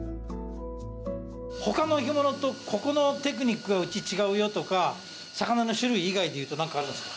他の干物とここのテクニックがうち違うよとか魚の種類以外でいうと何かあるんですか？